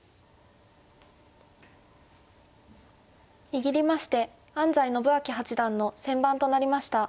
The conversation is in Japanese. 握りまして安斎伸彰八段の先番となりました。